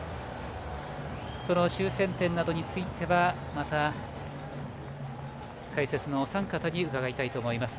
修正点などについてはまた解説のお三方に伺いたいと思います。